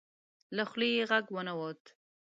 له خولې یې غږ ونه وت.